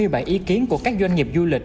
hai mươi bảy ý kiến của các doanh nghiệp du lịch